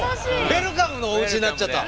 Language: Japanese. ウェルカムなおうちになっちゃった。